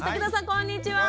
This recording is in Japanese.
こんにちは。